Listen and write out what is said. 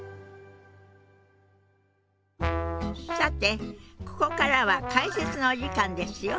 さてここからは解説のお時間ですよ。